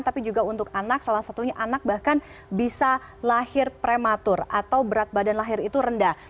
tapi juga untuk anak salah satunya anak bahkan bisa lahir prematur atau berat badan lahir itu rendah